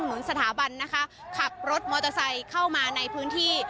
เหมือนสถาบันนะคะขับรถมอเตอร์ไซค์เข้ามาในพื้นที่